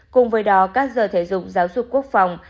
cùng với đó các giờ thể dụng giáo dục quốc phòng